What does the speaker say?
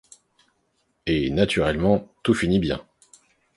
Et naturellement tout finit bien.